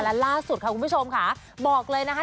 และล่าสุดค่ะคุณผู้ชมค่ะบอกเลยนะคะ